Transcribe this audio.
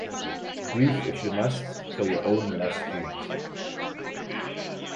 Grieve if you must, for your own lost dreams.